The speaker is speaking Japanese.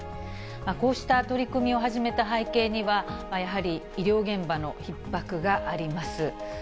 こうした取り組みを始めた背景には、やはり、医療現場のひっ迫があります。